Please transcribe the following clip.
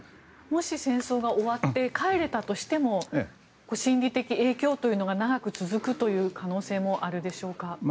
もし戦争が終わって帰れたとしても心理的影響というのが長く続くという可能性もあるでしょうか。